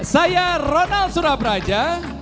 saya ronald surabraja